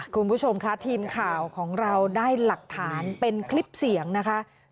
คุณผู้ชมค่ะทีมข่าวของเราได้หลักฐานเป็นคลิปเสียงนะคะ